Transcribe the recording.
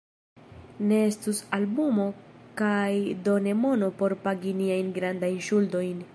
Ne estus albumo kaj do ne mono por pagi niajn grandajn ŝuldojn.